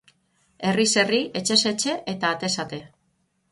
Herriz herri, etxez etxe eta atez ate.